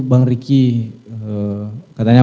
bang riki katanya